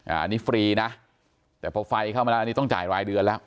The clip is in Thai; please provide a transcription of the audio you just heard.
อันนี้ฟรีนะแต่พอไฟเข้ามาแล้วอันนี้ต้องจ่ายรายเดือนแล้ว